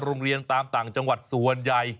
โรงเรียนตามต่างจังหวัดส่วนใหญ่